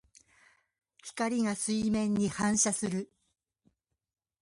光が水面に反射する。